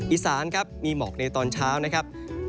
อีสานครับมีหมอกในตอนเช้านะครับ